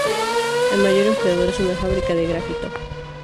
El mayor empleador es una fábrica de grafito.